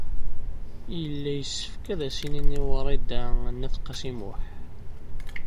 Yella yessefk ad as-inin i Wrida n At Qasi Muḥ.